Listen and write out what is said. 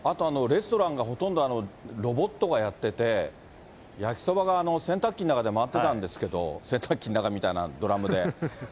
レストランがほとんどロボットがやってて、焼きそばが洗濯機の中で回ってたんですけど、洗濯機の中みたいなドラムで。